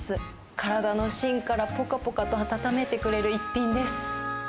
体のしんからぽかぽかと温めてくれる一品です。